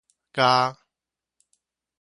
虼